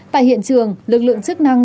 tại hiện trường lực lượng chức năng